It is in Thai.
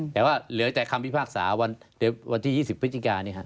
แต่ว่าเหลือแต่คำพิพากษาวันที่๒๐พิศิกาเนี่ยครับ